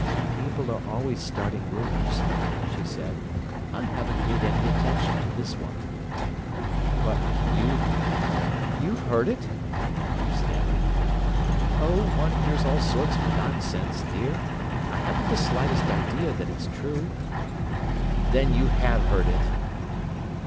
"People are always starting rumours," she said. "I haven't paid any attention to this one." "But you—you've heard it?" he stammered. "Oh, one hears all sorts of nonsense, dear. I haven't the slightest idea that it's true." "Then you have heard it!"